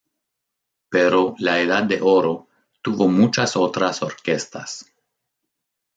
Pero la edad de oro tuvo muchas otras orquestas.